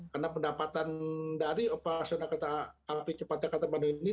karena pendapatan dari operasional kereta hp cepatnya kata bandung ini